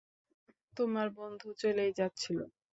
তোমার বন্ধু চলেই যাচ্ছিলো।